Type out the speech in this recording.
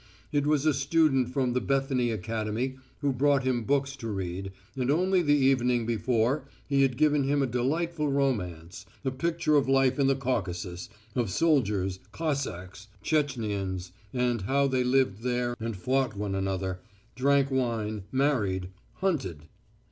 It was a student from the Bethany Academy who brought him books to read, and only the evening before he had given him a delightful romance, a picture of life in the Caucasus, of soldiers, Cossacks, Tchetchenians, and how they lived there and fought one another, drank wine, married, hunted.